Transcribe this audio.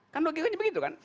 kan logikanya begitu kan